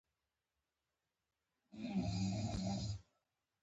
د لغمان په علیشنګ کې د قیمتي ډبرو نښې دي.